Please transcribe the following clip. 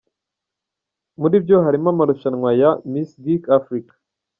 Muri byo harimo amarushanwa ya Miss Geek Afurika.